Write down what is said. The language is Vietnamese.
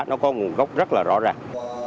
nó có nguồn gốc rất là rõ ràng